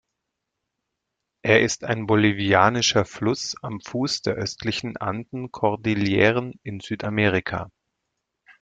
Er ist ein bolivianischer Fluss am Fuß der östlichen Anden-Kordilleren in Südamerika.